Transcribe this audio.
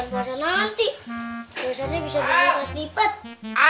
puasanya bisa berlipat lipat